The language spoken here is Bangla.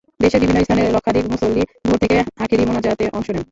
দেশের বিভিন্ন স্থানের লক্ষাধিক মুসল্লি ভোর থেকে আখেরি মোনাজাতে অংশ নেন।